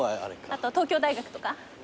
あと東京大学とか。